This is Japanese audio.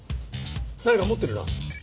何か持ってるな。